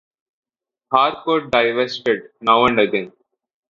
Harcourt divested now and again.